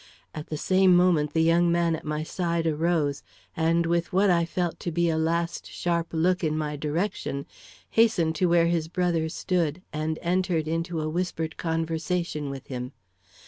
At the same moment the young man at my side arose, and with what I felt to be a last sharp look in my direction, hastened to where his brother stood, and entered into a whispered conversation with him.